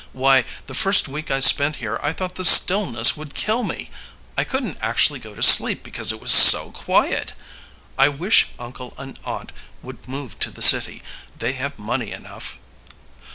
Why, the first week I spent here I thought the stillness would kill me. I couldn't actually go to sleep because it was so quiet. I wish uncle and aunt would move to the city. They have money enough."